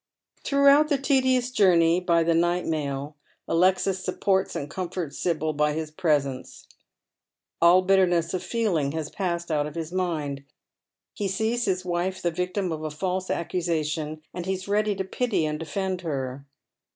TnROuaHOUT the tedious journey by the night mail Alexis supports and comforts Sibyl by his presence. All bitterness of Jeeling has passed out of his mind. He sees his wife the victim of a false accusation, and he is ready to pity and defend her.